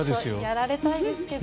やられたいですけどね。